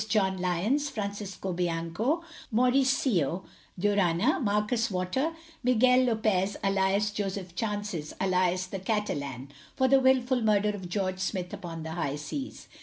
John Lyons, Francisco Bianco, Mauriccio Durranna, Marcus Watter, Miguel Lopez, alias Joseph Chances, alias The Catelan, for the wilful murder of George Smith upon the high seas.